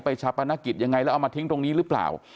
ชาปนกิจยังไงแล้วเอามาทิ้งตรงนี้หรือเปล่า